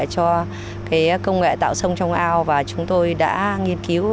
cho công nghệ tạo sông trong ao và chúng tôi đã nghiên cứu